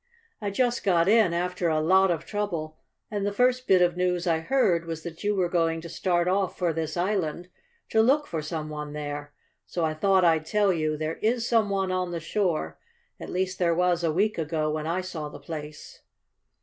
"I just got in, after a lot of trouble, and the first bit of news I heard was that you were going to start off for this island to look for some one there. So I thought I'd tell you there is some one on the shore at least there was a week ago, when I saw the place."